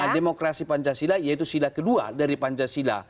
demokrasi pancasila yaitu sila kedua dari pancasila